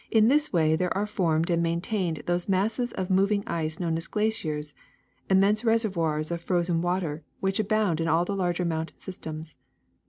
In this way there are formed and maintained those masses of moving ice known as glaciers, immense reservoirs of frozen water which abound in all the larger mountain sys tems.